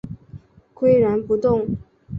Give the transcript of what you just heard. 岿然不动